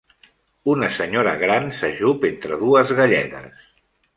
Una senyora gran s'ajup entre dues galledes.